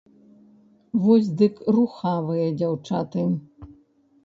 Вось дык рухавыя дзяўчаты.